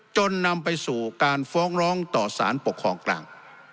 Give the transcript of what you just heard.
จนนำไปสู่การฟ้องร้องต่อสารปกครองกลาง